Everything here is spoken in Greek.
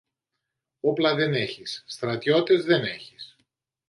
Όπλα δεν έχεις, στρατιώτες δεν έχεις.